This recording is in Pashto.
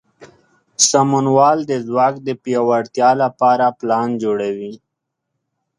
سمونوال د ځواک د پیاوړتیا لپاره پلان جوړوي.